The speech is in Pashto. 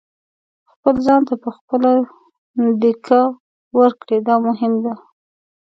خپل ځان ته په خپله دېکه ورکړئ دا مهم دی.